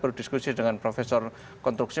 berdiskusi dengan profesor kontruksi